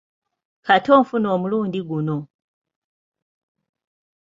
Katte anfune omulundi guno!